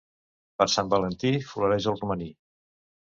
Per Sant Valentí floreix el romaní.